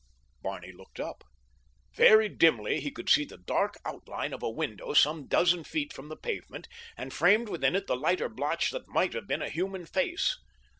Barney looked up. Very dimly he could see the dark outline of a window some dozen feet from the pavement, and framed within it the lighter blotch that might have been a human face.